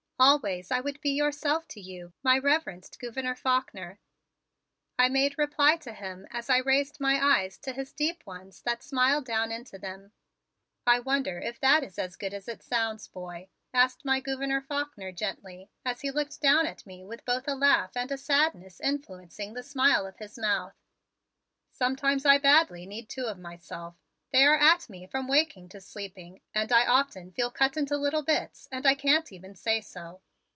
"Always I would be yourself to you, my reverenced Gouverneur Faulkner," I made reply to him as I raised my eyes to his deep ones that smiled down into them. "I wonder if that is as good as it sounds, boy," asked my Gouverneur Faulkner gently, as he looked down at me with both a laugh and a sadness influencing the smile of his mouth. "Sometimes I badly need two of myself. They are at me from waking to sleeping and I often feel cut into little bits and I can't even say so.